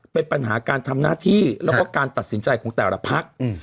เป็นปัญหาการทำหน้าที่แล้วก็การตัดสินใจของแต่ละพัก